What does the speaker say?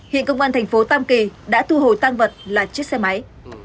hiện công an thành phố tam kỳ đã thu hồi tăng vật là chiếc xe máy